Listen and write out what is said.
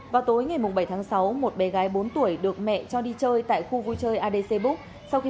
vào tối ngày bảy tháng sáu một bé gái bốn tuổi được mẹ cho đi chơi tại khu vui chơi adc book sau khi